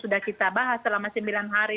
sudah kita bahas selama sembilan hari